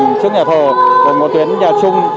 trước nhà thờ tuyến nhà chung